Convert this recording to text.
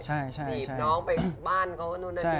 จีบน้องไปบ้านเขาก็นู่นนั่นนี่